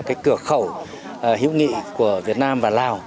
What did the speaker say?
cái cửa khẩu hữu nghị của việt nam và lào